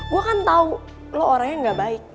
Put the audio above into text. gue kan tau lo orangnya gak baik